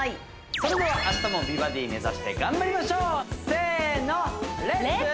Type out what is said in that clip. それでは明日も美バディ目指して頑張りましょうせーのレッツ！